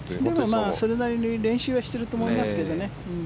それなりに練習はしていると思いますけどね。